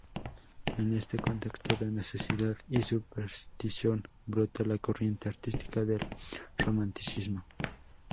En este contexto de necesidad y superstición brota la corriente artística del Romanticismo.